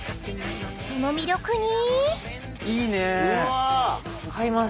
［その魅力に］